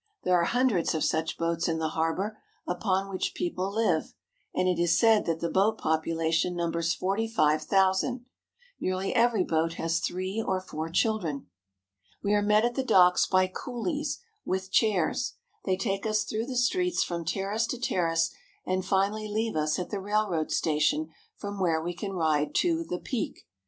There are hundreds of such boats in the harbor, upon which people live; and it is said that the boat population numbers forty five thousand. Nearly every boat has three or four children. We are met at the docks by coolies with chairs. They take us through the streets from terrace to terrace, and finally leave us at the railroad station from where we can ride to The Peak.